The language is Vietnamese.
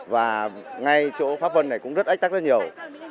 và ngay chỗ pháp vân này cũng rất ách tắc rất nhiều